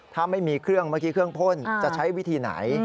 ถ้าไม่มีเครื่องเมื่อกี้เครื่องพ่นจะใช้วิธีไหน